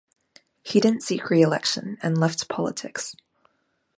He didn't seek re-election and left politics.